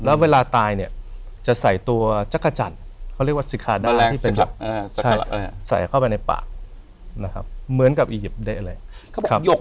แล้วเวลาตายเนี่ยจะใส่ตัวจักรจันเค้าเรียกว่าสิคาดาที่เป็นหยก